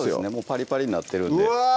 パリパリになってるんでうわ！